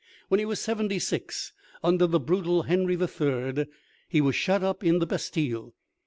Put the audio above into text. When he was seventy six, under the brutal Henry III., he was shut up in the Bastille.